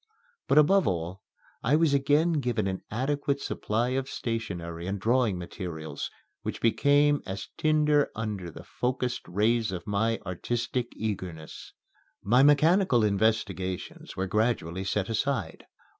But, above all, I was again given an adequate supply of stationery and drawing materials, which became as tinder under the focussed rays of my artistic eagerness. My mechanical investigations were gradually set aside.